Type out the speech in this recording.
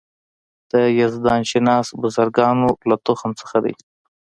د یزدان شناس بزرګانو له تخم څخه دی.